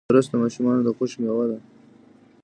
رس د ماشومانو د خوښۍ میوه ده